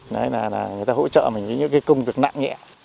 đấy là người ta hỗ trợ mình với những cái công việc nặng nhẹ